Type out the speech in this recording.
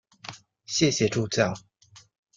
谢谢助教